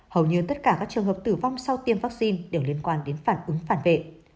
hầu như tất cả các trường hợp tử vong sau tiêm vaccine đều liên quan đến phản ứng phản vệ